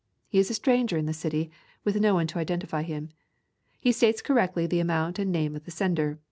He is a stranger in the city with no one to identify him. He states correctly the amount and the name of the sender.